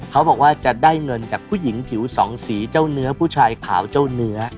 เขาบอกว่าจะได้เงินจากผู้หญิงผิวสองสีเจ้าเนื้อผู้ชายขาวเจ้าเนื้อ